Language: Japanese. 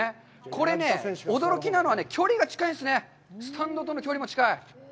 これね、驚きなのは、距離が近いんですね、スタンドとの距離も近い。